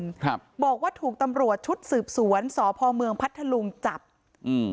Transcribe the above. ครับบอกว่าถูกตำรวจชุดสืบสวนสพเมืองพัทธลุงจับอืม